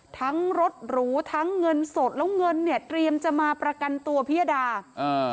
รถหรูทั้งเงินสดแล้วเงินเนี่ยเตรียมจะมาประกันตัวพิยดาอ่า